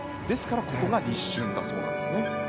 ですからここが立春だそうなんですね。